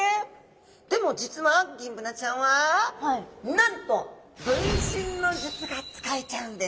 でも実はギンブナちゃんはなんと分身の術が使えちゃうんです。